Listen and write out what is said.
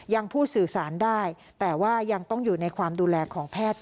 ยังพูดสื่อสารได้แต่ว่ายังต้องอยู่ในความดูแลของแพทย์